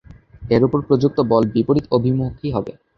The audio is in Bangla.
এর উপর প্রযুক্ত বল বিপরীত অভিমুখী হবে।